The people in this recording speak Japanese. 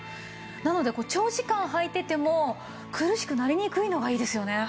なので長時間はいていても苦しくなりにくいのがいいですよね。